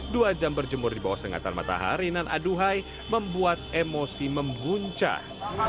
dua jam berjemur di bawah sengatan matahari nan aduai membuat emosi membuncah